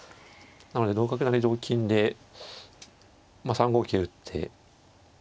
なので同角成同金でまあ３五桂打って。